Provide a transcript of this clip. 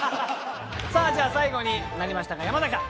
さあじゃあ最後になりましたが山崎さん。